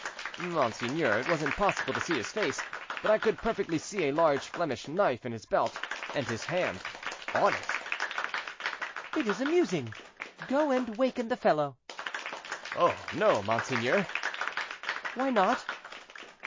"Monseigneur, it was impossible to see his face; but I could perfectly see a large Flemish knife in his belt, and his hand, on it." "It is amusing; go and waken the fellow." "Oh, no, monseigneur." "Why not?"